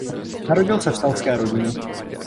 Narodil se v selské rodině.